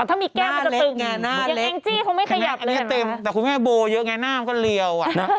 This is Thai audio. ถ้ามีแก้มมันจะตึงอย่างแองจี้เขาไม่เคยัดเลยน่ะครับหน้าเล็กแต่คุณแม่โบเยอะหน้ามันก็เรียว